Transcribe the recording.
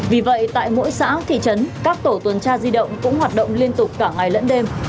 vì vậy tại mỗi xã thị trấn các tổ tuần tra di động cũng hoạt động liên tục cả ngày lẫn đêm